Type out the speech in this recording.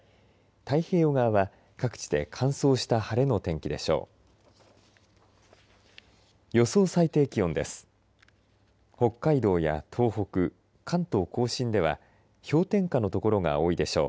太平洋側は各地で乾燥した晴れの天気でしょう。